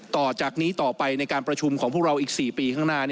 ต่อจากนี้ต่อไปในการประชุมของพวกเราอีก๔ปีข้างหน้า